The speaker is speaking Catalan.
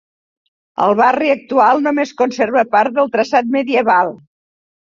El barri actual només conserva part del traçat medieval.